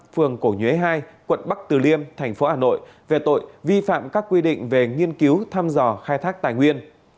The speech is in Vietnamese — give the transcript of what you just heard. phường cổ nhuế hai quận bắc từ liêm thành phố hà nội về tội vi phạm các quy định về nghiên cứu thăm dò khai thác tài nguyên